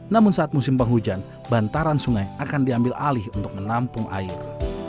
namun saat musim penghujan bantaran sungai akan diambil alih untuk menampung air